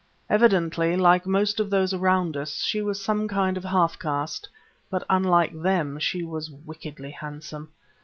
Evidently, like most of those around us, she was some kind of half caste; but, unlike them, she was wickedly handsome.